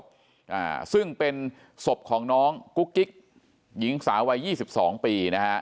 ภลางศพซึ่งเป็นศพของน้องกุ๊กกิ๊กหญิงสาววัย๒๒ปี